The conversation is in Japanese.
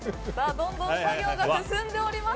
どんどん作業が進んでおります。